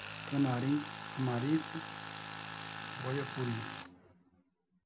Canarim, amárico, boiapuri